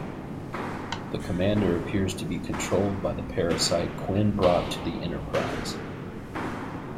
The commander appears to be controlled by the parasite Quinn brought to the "Enterprise".